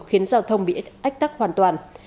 khiến giao thông bị ách tắc hoàn toàn